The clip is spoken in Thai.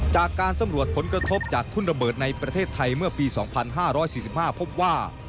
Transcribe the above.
จากการสำรวจผลกระทบจากทุ่นระเบิดในประเทศไทยเมื่อปี๒๕๔๕พบว่า